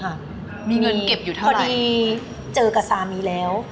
มีเงินเก็บอยู่เท่าพอดีเจอกับสามีแล้ว